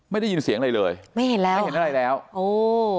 ไม่ได้ยินเสียงอะไรเลยไม่เห็นแล้วไม่เห็นอะไรแล้วโอ้